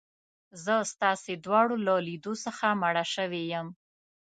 زه ستاسي دواړو له لیدو څخه مړه شوې یم.